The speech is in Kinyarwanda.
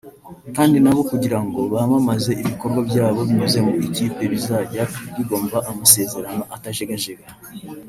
kandi na bo kugira ngo bamamaze ibikorwa byabo binyuze mu ikipe bizajya bigomba amasezerano atajegajega